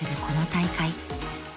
この大会］